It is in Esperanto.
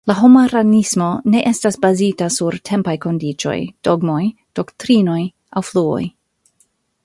La homaranismo ne estas bazita sur tempaj kondiĉoj, dogmoj, doktrinoj aŭ fluoj.